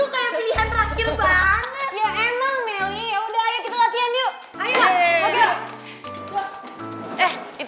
kok gitu kayak pilihan terakhir banget